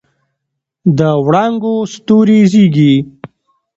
د وړانګو ستوري زیږي